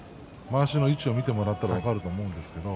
まわしの位置を見てもらったら分かると思うんですけど。